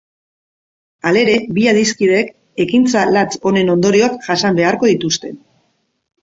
Halere, bi adiskideek ekintza latz honen ondorioak jasan beharko dituzte.